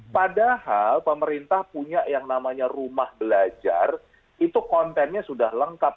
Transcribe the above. padahal pemerintah punya yang namanya rumah belajar itu kontennya sudah lengkap